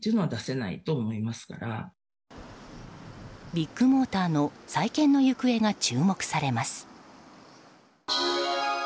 ビッグモーターの再建の行方が注目されます。